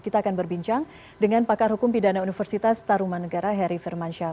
kita akan berbincang dengan pakar hukum pidana universitas taruman negara heri firmansyah